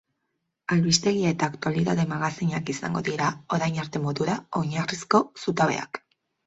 Albistegi eta aktualitate magazinak izango dira, orain arte modura, oinarrizko zutabeak.